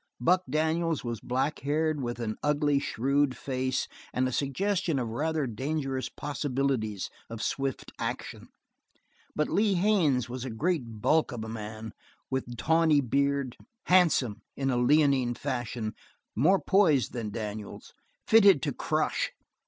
Buck Daniels was black haired, with an ugly, shrewd face and a suggestion of rather dangerous possibilities of swift action; but Lee Haines was a great bulk of a man, with tawny beard, handsome, in a leonine fashion, more poised than Daniels, fitted to crush.